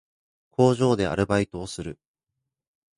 工場でアルバイトをする